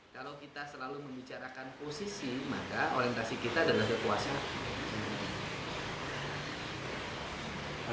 kalau kita selalu membicarakan posisi maka orientasi kita adalah kekuasaan